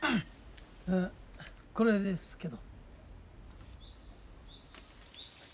これですけど。